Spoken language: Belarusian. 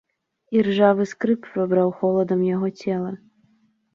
Іржавы скрып прабраў холадам яго цела.